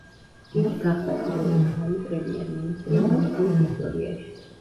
იგი გახდა პირველი ქალი პრემიერ-მინისტრი ნამიბიის ისტორიაში.